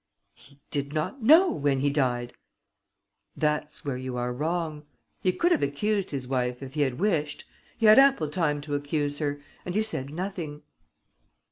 "He did not know, when he died." "That's where you are wrong. He could have accused his wife, if he had wished. He had ample time to accuse her; and he said nothing."